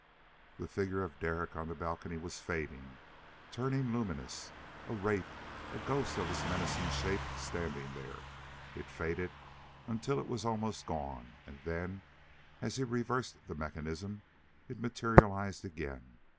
The figure of Derek on the balcony was fading, turning luminous. A wraith, a ghost of his menacing shape standing there. It faded until it was almost gone, and then, as he reversed the mechanism, it materialized again.